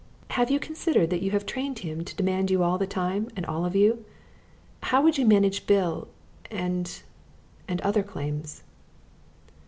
Have you considered that you have trained him to demand you all the time and all of you? How would you manage Bill and and other claims?"